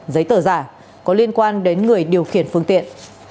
giấy tờ giả có liên quan đến người điều khiển phương tiện